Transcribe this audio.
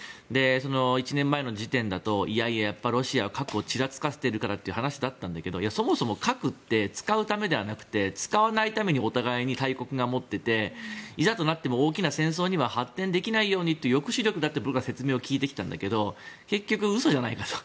１年前の時点だといやいや、ロシアは核をちらつかせているからとそもそも核って使うためではなくて使わないためにお互いに大国が持っていていざとなっても大きな戦争には発展できないようにという抑止力だって僕は説明を聞いてきたんだけど結局嘘じゃないかと。